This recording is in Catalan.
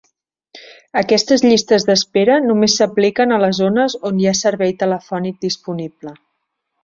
Aquestes llistes d'espera només s'apliquen a les zones on hi ha servei telefònic disponible.